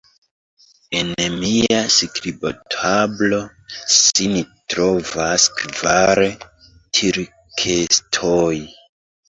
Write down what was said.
En mia skribotablo sin trovas kvar tirkestoj.